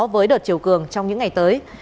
với đợt chiều cường trong những ngày tới